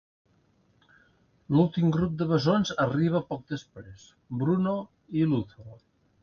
L'últim grup de bessons arriba poc després, Bruno i Luthor.